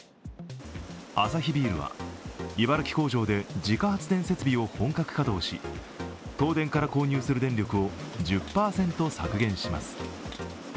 アサヒビールは茨城工場で自家発電設備を本格稼働し、東電から購入する電力を１０％削減します。